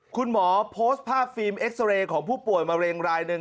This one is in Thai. คุณหมอโพสต์ภาพฟิล์มเอ็กซาเรย์ของผู้ป่วยมะเร็งรายหนึ่ง